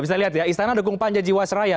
bisa lihat ya istana dukung panja jiwasraya